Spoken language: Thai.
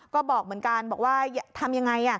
ก็บอกเหมือนกันบอกว่าทำยังไง